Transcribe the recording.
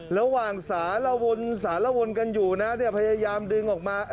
ระหว่างสะระวนกันอยู่น่ะเนี่ยพยายามดึงออกมา